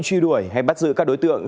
truy đuổi hay bắt giữ các đối tượng